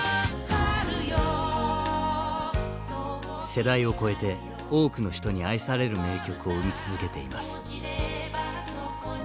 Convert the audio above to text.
世代を超えて多くの人に愛される名曲を生み続けています。